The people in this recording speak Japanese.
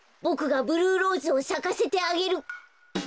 ボクがブルーローズをさかせてあげる！